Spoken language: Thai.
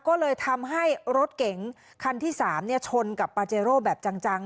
ก็เลยทำให้รถเก๋งคันที่๓ชนกับปาเจโร่แบบจัง